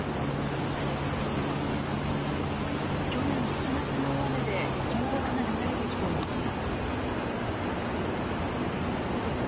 去年７月の大雨で流木が流れてきていました。